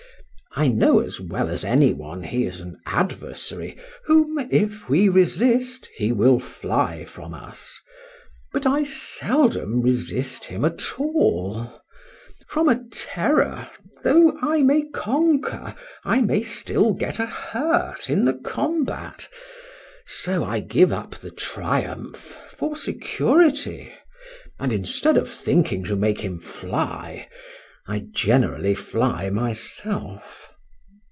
I know as well as any one he is an adversary, whom, if we resist, he will fly from us;—but I seldom resist him at all; from a terror, though I may conquer, I may still get a hurt in the combat;—so I give up the triumph for security; and, instead of thinking to make him fly, I generally fly myself.